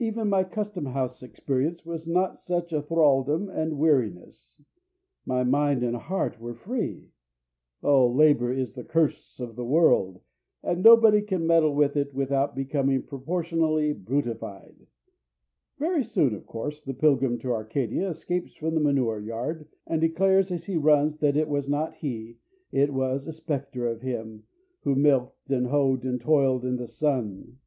Even my Custom house experience was not such a thraldom and weariness; my mind and heart were free. Oh, labor is the curse of the world, and nobody can meddle with it without becoming proportionally brutified!" Very soon, of course, the pilgrim to Arcadia escapes from the manure yard, and declares as he runs that it was not he, it was a spectre of him, who milked and hoed and toiled in the sun.